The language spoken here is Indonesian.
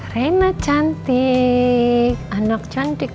reina cantik anak cantik